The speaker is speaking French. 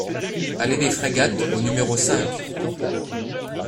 Allée des Frégates au numéro cinq